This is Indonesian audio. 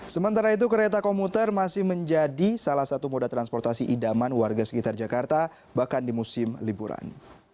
sementara itu kereta komuter masih menjadi salah satu moda transportasi idaman warga sekitar jakarta bahkan di musim liburan